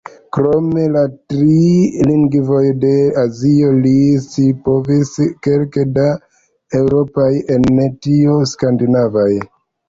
Krom la tri lingvoj de Azio li scipovis kelke da eŭropaj, en tio skandinavaj.